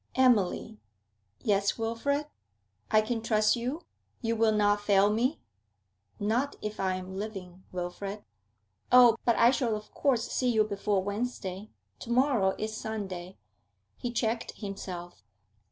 'Emily!' 'Yes, Wilfrid?' 'I can trust you? You will not fail me?' 'Not if I am living, Wilfrid.' 'Oh, but I shall of course see you before Wednesday. To morrow is Sunday ' He checked himself.